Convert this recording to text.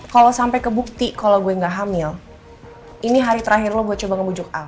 kalau sampai ke bukti kalau gue gak hamil ini hari terakhir lo gue coba ngebujuk a